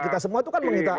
kita semua itu kan mengitari